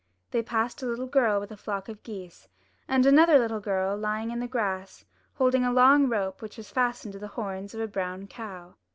They passed a little girl with a flock of geese, and another little girl lying in the grass holding a long rope which was fastened to the horns of a brown cow.